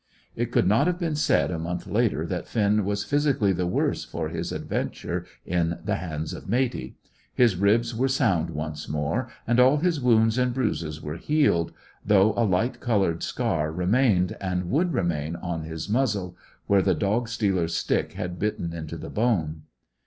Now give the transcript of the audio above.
It could not have been said a month later that Finn was physically the worse for his adventure in the hands of Matey. His ribs were sound once more, and all his wounds and bruises were healed, though a light coloured scar remained, and would remain on his muzzle, where the dog stealer's stick had bitten into the bone.